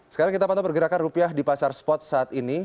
sekarang kita pantau pergerakan rupiah di pasar spot saat ini